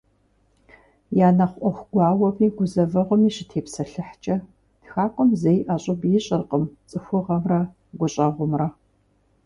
Я нэхъ ӏуэху гуауэми гузэвэгъуэми щытепсэлъыхькӏэ, тхакӏуэм зэи ӏэщӏыб ищӏыркъым цӏыхугъэмрэ гущӏэгъумрэ.